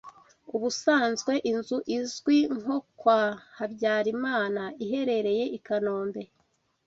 Ubusanzwe inzu izwi nko kwa Habyarimana iherereye i Kanombe